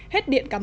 hết điện cảm ơn